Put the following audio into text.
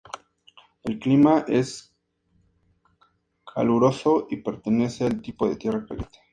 El Clima es caluroso y pertenece al tipo de tierra caliente.